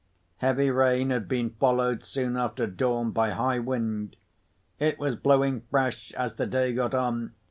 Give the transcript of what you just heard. Heavy rain had been followed soon after dawn, by high wind. It was blowing fresh, as the day got on.